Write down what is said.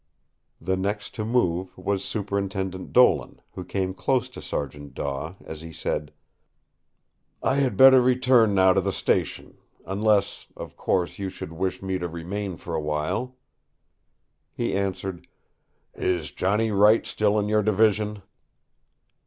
The next to move was Superintendent Dolan, who came close to Sergeant Daw as he said: "I had better return now to the station—unless, of course, you should wish me to remain for a while." He answered, "Is Johnny Wright still in your division?"